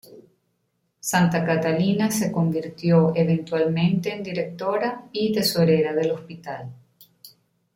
Santa Catalina se convirtió eventualmente en directora y tesorera del hospital.